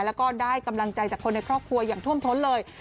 แล้วก็ได้กำลังใจจากคนในครอบครัวอย่างท่วมท้นเลย